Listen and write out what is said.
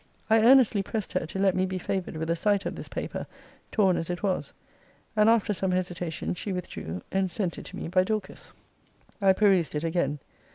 I earnestly pressed her to let me be favoured with a sight of this paper, torn as it was. And, after some hesitation, she withdrew, and sent it to me by Dorcas. I perused it again.